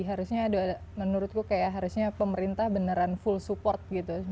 harusnya menurutku kayak harusnya pemerintah beneran full support gitu